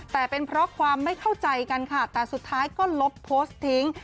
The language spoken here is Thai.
แต่เป็นเพราะความไม่เข้าใจกันค่ะแต่สุดท้ายก็ลบโพสต์ทิ้ง